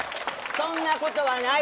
そんなことはない。